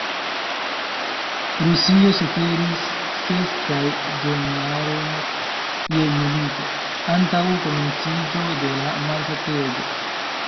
Rusio suferis ses kaj duonjaron je milito, antaŭ komenciĝo de la malsatego.